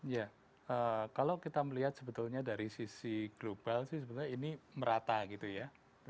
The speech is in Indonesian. ya kalau kita melihat sebetulnya dari sisi global sih sebenarnya ini merata gitu ya